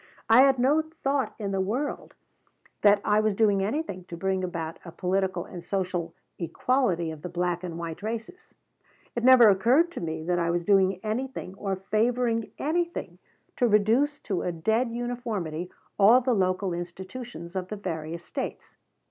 I had no thought in the world that I was doing anything to bring about a political and social equality of the black and white races. It never occurred to me that I was doing anything or favoring anything to reduce to a dead uniformity all the local institutions of the various States.